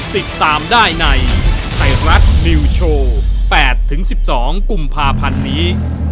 ติดตามได้ในไทยรัฐนิวโชว์๘๑๒กุมภาพันธ์นี้